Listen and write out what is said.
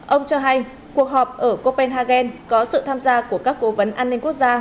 ông cho hay cuộc họp ở copenhagen có sự tham gia của các cố vấn an ninh quốc gia